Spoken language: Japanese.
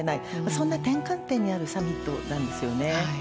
そんな転換点にあるサミットなんですよね。